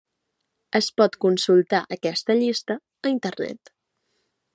Es pot consultar aquesta llista a internet.